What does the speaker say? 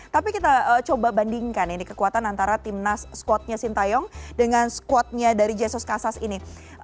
tapi kita coba bandingkan ini kekuatan antara timnas squadnya sintayong dengan squadnya dari jesus casas ini